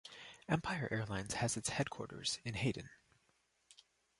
Empire Airlines has its headquarters in Hayden.